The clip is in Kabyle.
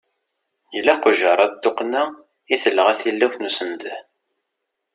Ilaq ujeṛṛiḍ n tuqqna i telɣa tilawt n usendeh.